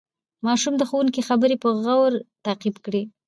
ماشوم د ښوونکي خبرې په غور تعقیب کړې